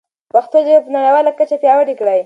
پښتو ژبه په نړیواله کچه پیاوړې کړئ.